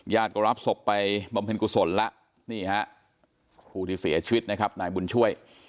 ก็รับศพไปบำเพ็ญกุศลแล้วนี่ฮะครูที่เสียชีวิตนะครับนายบุญช่วย